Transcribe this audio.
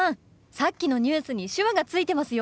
さっきのニュースに手話がついてますよ！